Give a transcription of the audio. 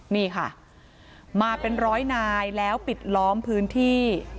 นี่ค่ะมาเป็นร้อยนายแล้วปิดล้อมพื้นที่